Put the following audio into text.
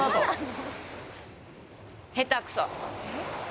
下手くそ。